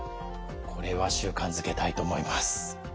これは習慣づけたいと思います。